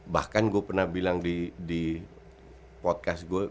bahkan gue pernah bilang di podcast gue